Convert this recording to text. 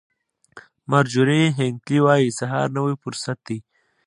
مارجوري هینکلي وایي سهار نوی فرصت دی.